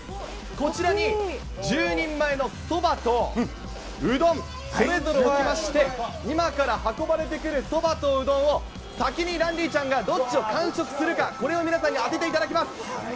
こちらに、１０人前のそばとうどん、それぞれ置きまして、今から運ばれてくるそばとうどんを、先にランディちゃんがどっちを完食するか、これを皆さんに当てていただきます。